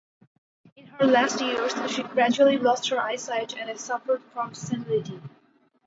In her last years, she gradually lost her eyesight and suffered from senility.